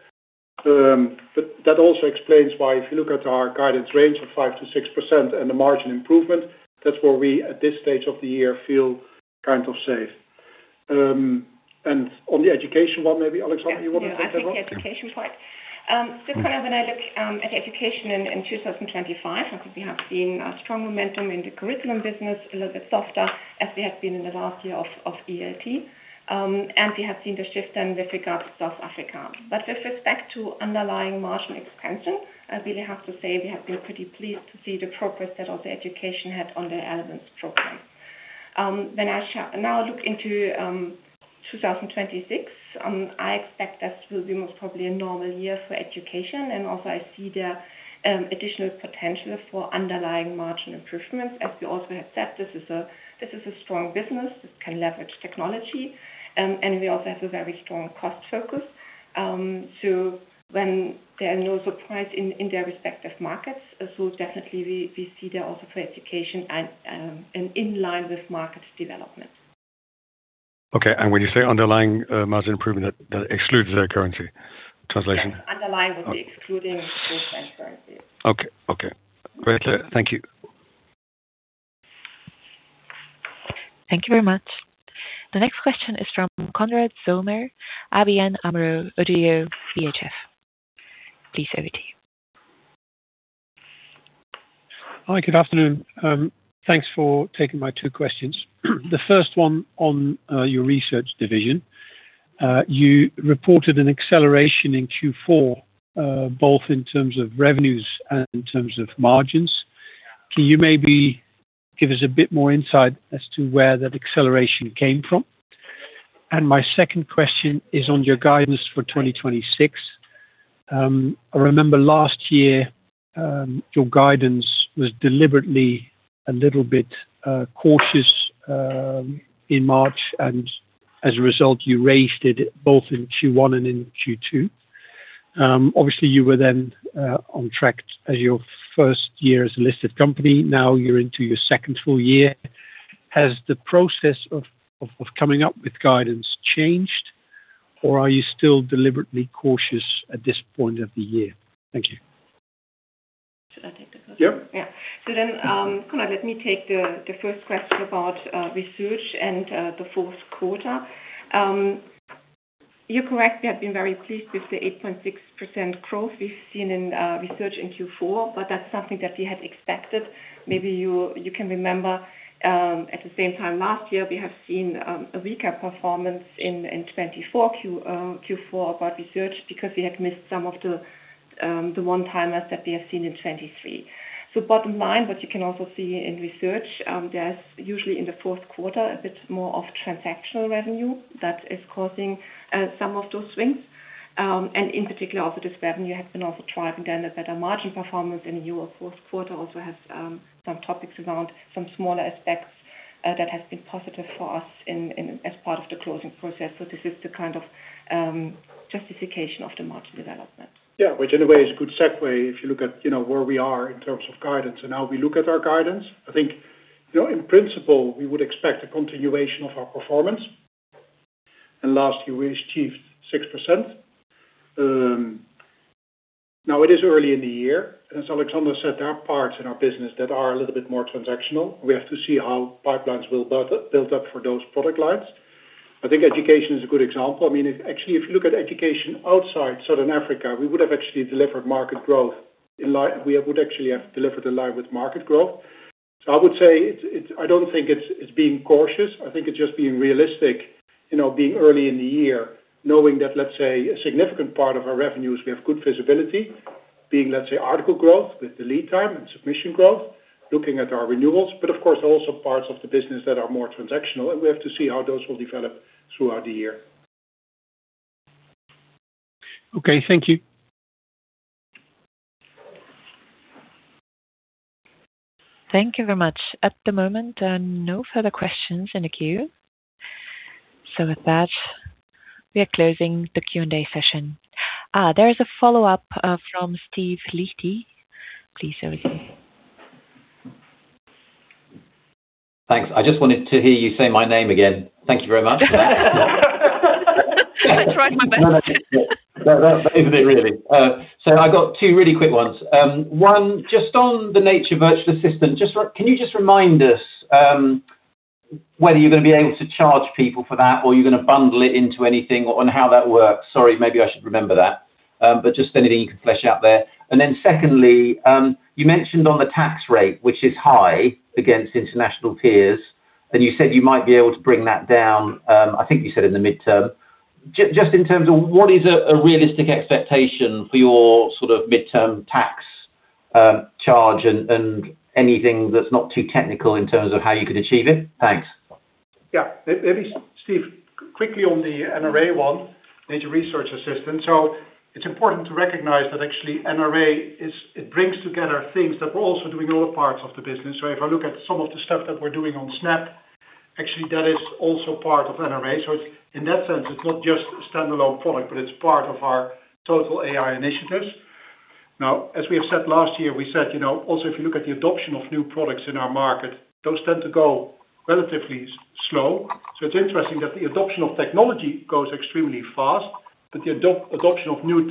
That also explains why if you look at our guidance range of 5%-6% and the margin improvement, that's where we, at this stage of the year, feel kind of safe. On the education one, maybe Alexandra, you want to take that one? I think the education side. Just kind of when I look at education in 2025, because we have seen a strong momentum in the curriculum business, a little bit softer as we have been in the last year of ELT. We have seen the shift in with regard to South Africa. With respect to underlying margin expansion, I really have to say we have been pretty pleased to see the progress that also education had on the Elevate program. When I now look into 2026, I expect this will be most probably a normal year for education. Also I see the additional potential for underlying margin improvements. As we also have said, this is a strong business. This can leverage technology, and we also have a very strong cost focus. When there are no surprises in their respective markets, definitely we see there also for education and in line with market development. Okay. When you say underlying margin improvement, that excludes their currency translation. Yes. Underlying would be excluding exchange currency. Okay. Great. Thank you. Thank you very much. The next question is from Konrad Zomer, ABN AMRO-ODDO BHF. Please over to you. Hi, good afternoon. Thanks for taking my two questions. The first one on your research division. You reported an acceleration in Q4, both in terms of revenues and in terms of margins. Can you maybe give us a bit more insight as to where that acceleration came from? My second question is on your guidance for 2026. I remember last year, your guidance was deliberately a little bit cautious in March, and as a result, you raised it both in Q1 and in Q2. Obviously you were then on track as your first year as a listed company. Now you're into your second full year. Has the process of coming up with guidance changed, or are you still deliberately cautious at this point of the year? Thank you. Should I take the first one? Yeah. Konrad, let me take the first question about research and the fourth quarter. You're correct. We have been very pleased with the 8.6% growth we've seen in research in Q4, but that's something that we had expected. Maybe you can remember, at the same time last year, we have seen a weaker performance in 2024 Q4 about research because we had missed some of the one-timers that we have seen in 2023. Bottom line, what you can also see in research, there's usually in the fourth quarter a bit more of transactional revenue that is causing some of those wins. In particular, this revenue has also been driving a better margin performance in the fourth quarter that also has some topics around some smaller aspects that has been positive for us as part of the closing process. This is the kind of justification of the margin development. Yeah. Which in a way is a good segue if you look at, you know, where we are in terms of guidance and how we look at our guidance. I think, you know, in principle, we would expect a continuation of our performance. Last year we achieved 6%. Now it is early in the year, and as Alexandra said, there are parts in our business that are a little bit more transactional. We have to see how pipelines will build up for those product lines. I think education is a good example. I mean, actually, if you look at education outside Southern Africa, we would have actually delivered market growth in line with market growth. I would say it's. I don't think it's being cautious. I think it's just being realistic, you know, being early in the year, knowing that, let's say, a significant part of our revenues, we have good visibility. Being, let's say, article growth with the lead time and submission growth, looking at our renewals, but of course, also parts of the business that are more transactional, and we have to see how those will develop throughout the year. Okay. Thank you. Thank you very much. At the moment, there are no further questions in the queue. With that, we are closing the Q&A session. There is a follow-up from Steve Liechti. Please over to you. Thanks. I just wanted to hear you say my name again. Thank you very much. I tried my best. No, that's it really. I got two really quick ones. One, just on the Nature Research Assistant, can you just remind us whether you're gonna be able to charge people for that, or are you gonna bundle it into anything or on how that works? Sorry, maybe I should remember that. Just anything you can flesh out there. Secondly, you mentioned on the tax rate, which is high against international peers, and you said you might be able to bring that down, I think you said in the midterm. Just in terms of what is a realistic expectation for your sort of midterm tax charge and anything that's not too technical in terms of how you could achieve it? Thanks. Yeah. Maybe Steve, quickly on the NRA one, Nature Research Assistant. It's important to recognize that actually NRA is, it brings together things that we're also doing in other parts of the business. If I look at some of the stuff that we're doing on Snapp, actually, that is also part of NRA. In that sense, it's not just a standalone product, but it's part of our total AI initiatives. Now, as we have said last year, we said, you know, also, if you look at the adoption of new products in our market, those tend to go relatively slow. It's interesting that the adoption of technology goes extremely fast. The adoption of new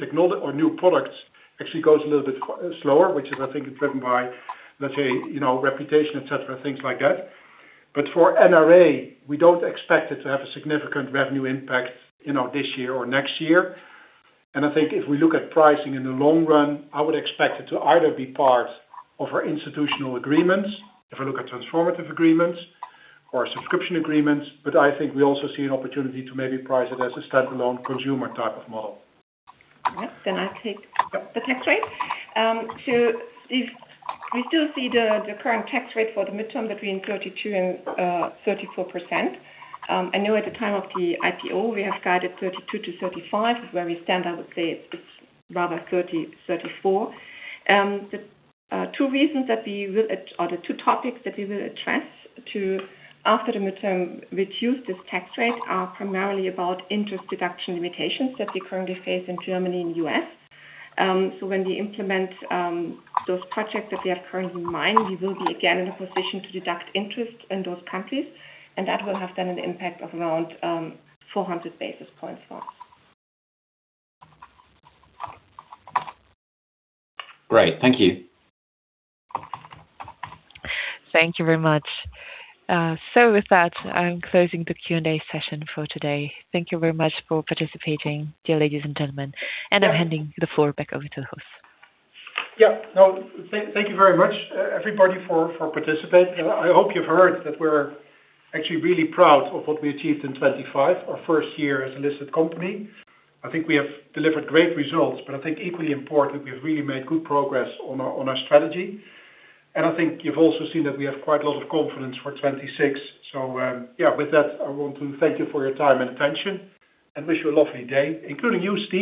products actually goes a little bit slower, which I think is driven by, let's say, you know, reputation, et cetera, things like that. For NRA, we don't expect it to have a significant revenue impact, you know, this year or next year. I think if we look at pricing in the long run, I would expect it to either be part of our institutional agreements, if we look at transformative agreements or subscription agreements. I think we also see an opportunity to maybe price it as a standalone consumer type of model. All right. I'll take the tax rate. If we still see the current tax rate for the midterm between 32% and 34%, I know at the time of the IPO, we have guided 32%-35%. Where we stand, I would say it's rather 34%. The two topics that we will address after the midterm, reduce this tax rate are primarily about interest deduction limitations that we currently face in Germany and U.S. When we implement those projects that we have currently in mind, we will be again in a position to deduct interest in those countries, and that will have then an impact of around 400 basis points for us. Great. Thank you. Thank you very much. So with that, I'm closing the Q&A session for today. Thank you very much for participating, dear ladies and gentlemen. I'm handing the floor back over to the host. Thank you very much, everybody for participating. I hope you've heard that we're actually really proud of what we achieved in 2025, our first year as a listed company. I think we have delivered great results, but I think equally important, we've really made good progress on our strategy. I think you've also seen that we have quite a lot of confidence for 2026. With that, I want to thank you for your time and attention and wish you a lovely day, including you, Steve.